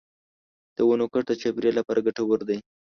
د ونو کښت د چاپېریال لپاره ګټور دی.